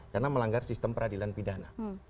karena melanggar sistem peradilan pidana